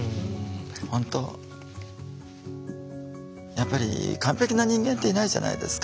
やっぱり完璧な人間っていないじゃないですか。